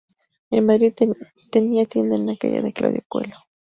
En Madrid, tenía tienda en la calle Claudio Coello.